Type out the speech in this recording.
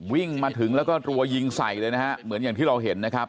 วิ่งมาถึงแล้วก็รัวยิงใส่เลยนะฮะเหมือนอย่างที่เราเห็นนะครับ